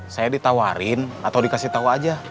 saya ditawarin atau dikasih tahu aja